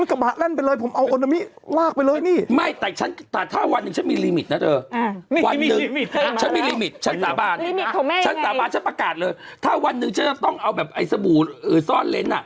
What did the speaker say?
ฉันสาบานฉันประกาศเลยถ้าวันนึงฉันต้องเอาแบบไอ้สบู่ซ่อนเล้น